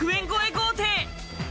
豪邸。